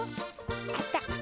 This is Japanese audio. あった！